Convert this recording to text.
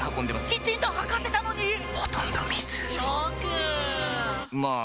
きちんと測ってたのに⁉ほとんど水ショックまあ